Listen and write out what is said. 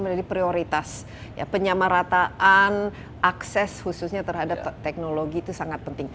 konektivitas penyamarataan akses khususnya terhadap teknologi itu sangat penting